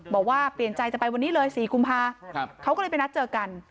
บอกว่าเปลี่ยนใจจะไปวันนี้เลย๔กุมภาเขาก็เลยไปนัดเจอกัน